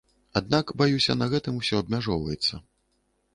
Аднак, баюся, на гэтым усё абмяжоўваецца.